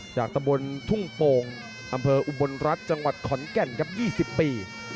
จากตะบนทุ่งโป่งอำเภออุบลรัฐจังหวัดขอนแก่นครับ๒๐ปี